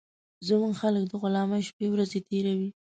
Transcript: زموږ خلک د غلامۍ شپې ورځي تېروي